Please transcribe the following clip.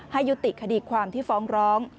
ให้ยุติคดีความที่ฟ้องร้อง